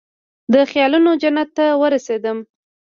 د خیالونوجنت ته ورسیدم